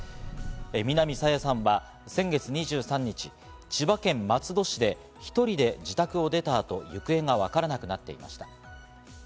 南朝芽さんは先月２３日、千葉県松戸市で１人で自宅を出た後、行方がわからなくなっていました。